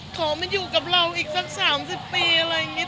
ขอมาอยู่กับเราอีกสัก๓๐ปีอะไรอย่างนี้